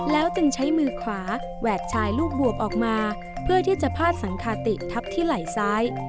แล้วจึงใช้มือขวาแหวกชายลูกบวบออกมาเพื่อที่จะพาดสังคาติทับที่ไหล่ซ้าย